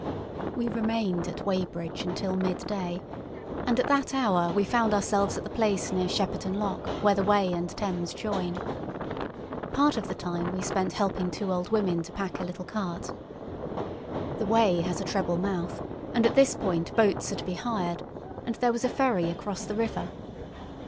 We remained at Weybridge until midday, and at that hour we found ourselves at the place near Shepperton Lock where the Wey and Thames join. Part of the time we spent helping two old women to pack a little cart. The Wey has a treble mouth, and at this point boats are to be hired, and there was a ferry across the river.